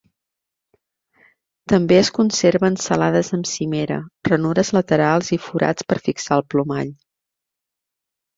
També es conserven celades amb cimera, ranures laterals i forats per fixar el plomall.